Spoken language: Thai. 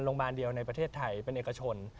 โรงพยาบาลเดียวในประเทศไทยเป็นเอกชน